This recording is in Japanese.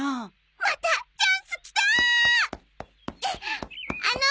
またチャンスきたー！